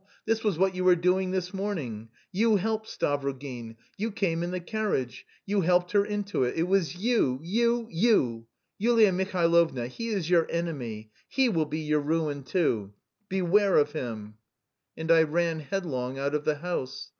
This was what you were doing this morning. You helped Stavrogin, you came in the carriage, you helped her into it... it was you, you, you! Yulia Mihailovna, he is your enemy; he will be your ruin too! Beware of him!" And I ran headlong out of the house.